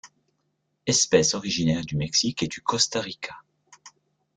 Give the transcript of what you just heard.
Espèce originaire du Mexique et du Costa Rica.